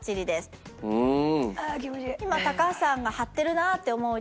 今高橋さんが張ってるなって思う